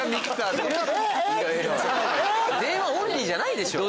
電話オンリーじゃないでしょ！